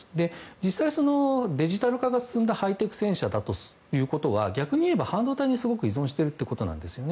実際は、デジタル化が進んだハイテク戦車だということは逆に言えば半導体に依存しているということなんですね。